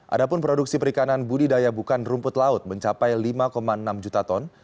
adapun produksi perikanan budidaya bukan rumput laut mencapai lima enam juta ton